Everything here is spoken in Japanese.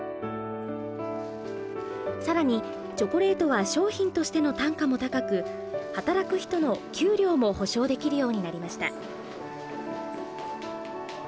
さらにチョコレートは商品としての単価も高く働く人の給料も保証できるようになりました。